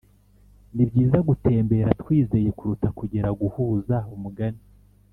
nibyiza gutembera twizeye kuruta kugera guhuza umugani